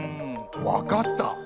わかった。